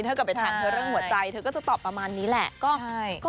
กลับไปถามเธอเรื่องหัวใจเธอก็จะตอบประมาณนี้แหละ